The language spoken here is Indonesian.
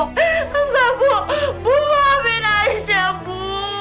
enggak bu bu maafin aisyah bu